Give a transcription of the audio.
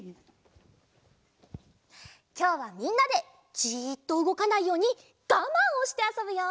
きょうはみんなでじっとうごかないようにガマンをしてあそぶよ。